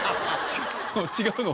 違うの？